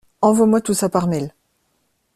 Envoie-moi tout ça par mail.